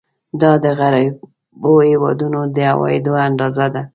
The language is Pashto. دا د غریبو هېوادونو د عوایدو اندازه ده.